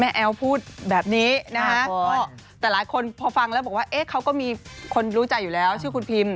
แอ๋วพูดแบบนี้นะฮะแต่หลายคนพอฟังแล้วบอกว่าเขาก็มีคนรู้ใจอยู่แล้วชื่อคุณพิม